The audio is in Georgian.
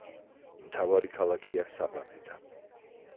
მთავარი ქალაქია საბანეტა.